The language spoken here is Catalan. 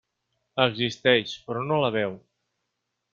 Existeix, però no la veu.